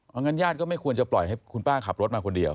เอางั้นญาติก็ไม่ควรจะปล่อยให้คุณป้าขับรถมาคนเดียว